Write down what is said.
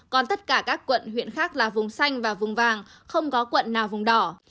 còn tất cả các quận huyện khác là vùng xanh và vùng vàng không có quận nào vùng đỏ